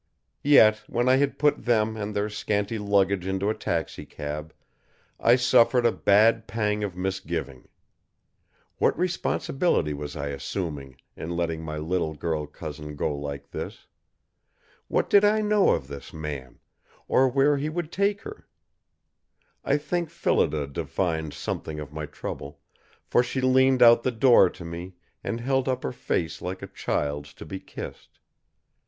Yet, when I had put them and their scanty luggage into a taxicab, I suffered a bad pang of misgiving. What responsibility was I assuming in letting my little girl cousin go like this? What did I know of this man, or where he would take her? I think Phillida divined something of my trouble, for she leaned out the door to me and held up her face like a child's to be kissed.